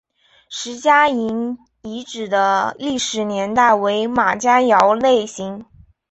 石家营遗址的历史年代为马家窑类型。